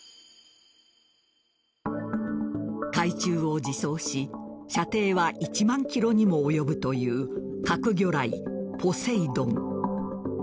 海中を自走し射程は１万ｋｍにも及ぶという核魚雷・ポセイドン。